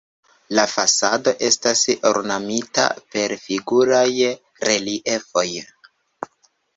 La fasado estas ornamita per figuraj reliefoj.